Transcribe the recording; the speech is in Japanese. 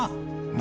何？